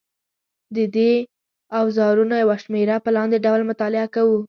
د دې اوزارونو یوه شمېره په لاندې ډول مطالعه کوو.